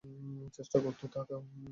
চেষ্টা করতে থাকো।